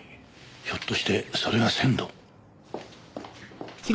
ひょっとしてそれが仙堂。